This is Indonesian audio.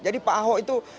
jadi pak ahok itu